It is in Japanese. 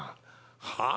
はあ